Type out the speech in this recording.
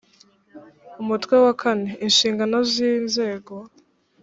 umutwe wa kane inshingano z inzego